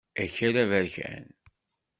Akal aberkan.